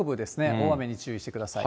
大雨に注意してください。